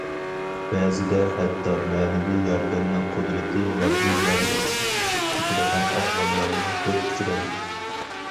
بەزىدە ھەتتا مەنىۋى ياردەمنىڭ قۇدرىتى ماددىي ياردەمدىن ئېشىپ كېتىدىغان ئەھۋاللارمۇ كۆپ ئۇچرايدۇ.